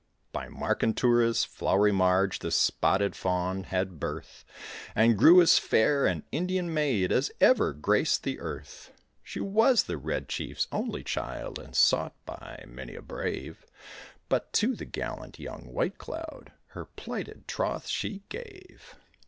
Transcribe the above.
By Markentura's flowery marge the Spotted Fawn had birth And grew as fair an Indian maid as ever graced the earth. She was the Red Chief's only child and sought by many a brave, But to the gallant young White Cloud her plighted troth she gave.